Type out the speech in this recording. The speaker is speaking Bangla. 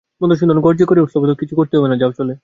মধুসূদন গর্জন করে উঠল, কিছু করতে হবে না, যাও চলে!